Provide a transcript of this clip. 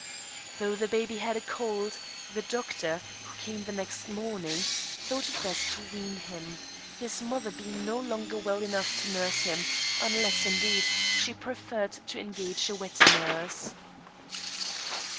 Though the baby had a cold, the doctor, who came next morn ing, thought it best to wean him, his mother being no longer well enough to nurse him, unless, indeed, she preferred to engage a wet nurse.